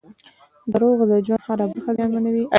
• دروغ د ژوند هره برخه زیانمنوي.